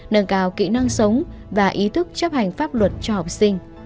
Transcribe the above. nâng cao kỹ năng sống và ý thức chấp hành pháp luật cho học sinh